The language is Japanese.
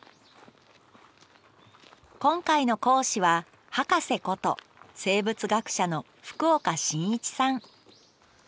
今回の講師はハカセこと生物学者の福岡伸一さん。